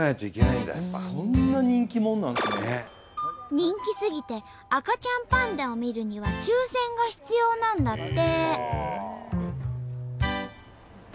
人気すぎて赤ちゃんパンダを見るには抽せんが必要なんだって。